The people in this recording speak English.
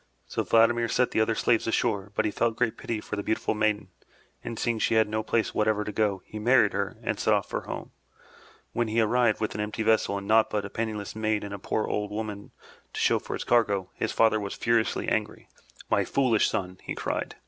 *' So Vladimir set the other slaves ashore, but he felt great pity for the beautiful maiden, and seeing she had no place whatever to go, he married her and set off for home. When he arrived with an empty vessel and naught but a penniless maid and a poor old woman to show for his cargo, his father was furiously angry. "My foolish son!*' he cried.